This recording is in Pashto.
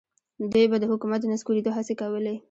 دوی به د حکومت د نسکورېدو هڅې کولې.